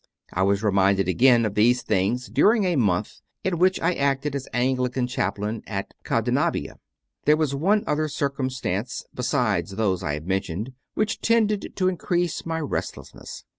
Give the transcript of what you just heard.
I was reminded again of these things during a month in which I acted as Anglican chaplain at Cadenabbia. There was one other circumstance, besides those I have mentioned, which tended to increase my restless ness.